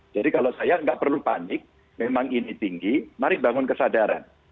jadi kalau saya nggak perlu panik memang ini tinggi mari bangun kesadaran